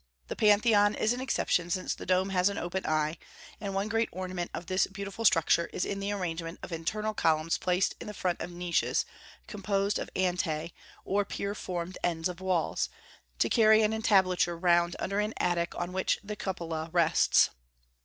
The Pantheon is an exception, since the dome has an open eye; and one great ornament of this beautiful structure is in the arrangement of internal columns placed in the front of niches, composed of antae, or pier formed ends of walls, to carry an entablature round under an attic on which the cupola rests.